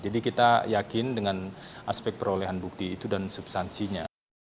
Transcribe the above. jadi kita yakin dengan aspek perolehan bukti itu dan substansinya